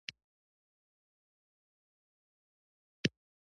ملان باید په جوماتو کې د اوبو په ارزښت خلکو ته پوهاوی ورکړي